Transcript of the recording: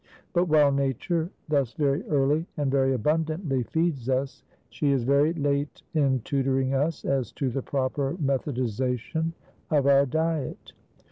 But while nature thus very early and very abundantly feeds us, she is very late in tutoring us as to the proper methodization of our diet.